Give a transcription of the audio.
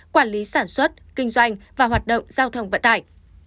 quản lý sản xuất kinh doanh và hoạt động giao thông vận tải